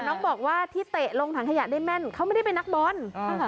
น้องบอกว่าที่เตะลงถังขยะได้แม่นเขาไม่ได้เป็นนักบอล